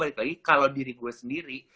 balik lagi kalau diri gue sendiri